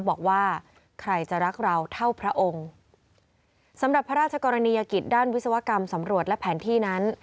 บอกว่าใครจะรักเราเท่าพระองค์สำหรับพระราชกรณียกิจด้านวิศวกรรมสำรวจและแผนที่นั้น